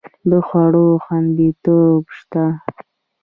د خوړو خوندیتوب شته؟